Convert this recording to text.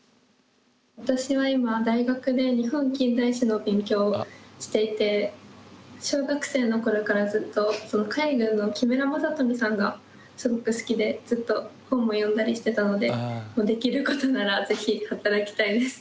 私は今大学で日本近代史の勉強をしていて小学生の頃からずっと海軍の木村昌福さんがすごく好きでずっと本も読んだりしてたのでできることならぜひ働きたいです。